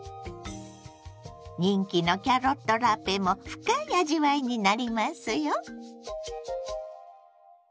人気のキャロットラペも深い味わいになりますよ。